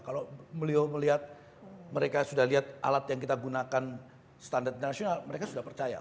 kalau beliau melihat mereka sudah lihat alat yang kita gunakan standar internasional mereka sudah percaya